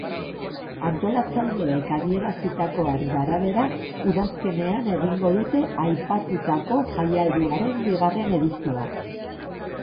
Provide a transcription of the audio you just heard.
Antolatzaileek adierazitakoaren arabera, udazkenean egingo dute aipatutako jaialdiaren bigarren edizioa.